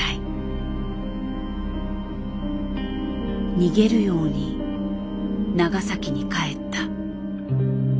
逃げるように長崎に帰った。